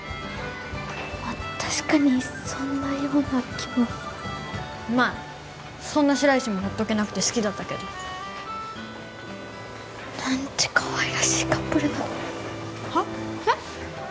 確かにそんなような気もまあそんな白石もほっとけなくて好きだったけど何てかわいらしいカップルなのは？え？